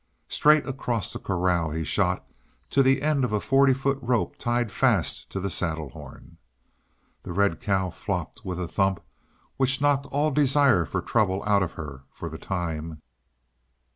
Straight across the corral he shot to the end of a forty foot rope tied fast to the saddle horn. The red cow flopped with a thump which knocked all desire for trouble out of her for the time.